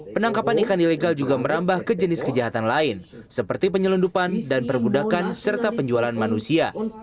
penangkapan ikan ilegal juga merambah ke jenis kejahatan lain seperti penyelundupan dan perbudakan serta penjualan manusia